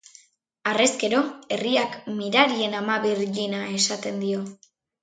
Harrezkero herriak Mirarien Ama Birjina esaten dio.